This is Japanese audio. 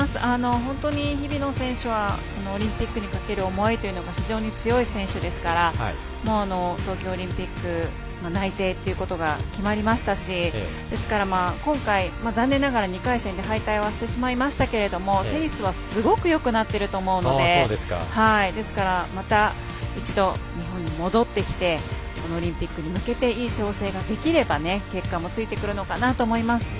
本当に日比野選手はオリンピックにかける思いが非常に強い選手ですから東京オリンピック内定ということが決まりましたし今回、残念ながら２回戦で敗退はしてしまいましたけれどもテニスはすごくよくなっていると思うのでまた、一度、日本に戻ってきてオリンピックに向けていい調整ができれば結果もついてくるのかなと思います。